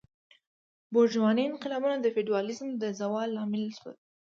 بورژوازي انقلابونه د فیوډالیزم د زوال لامل شول.